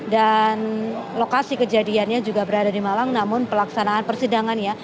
dan lokasi kejadiannya juga berada di malang namun pelaksanaan persidangan ya